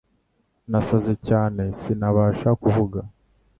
Nasaze cyane sinabasha kuvuga